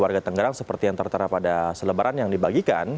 warga tangerang seperti yang tertara pada selebaran yang dibagikan